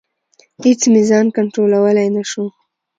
اېڅ مې ځان کنټرولولی نشو.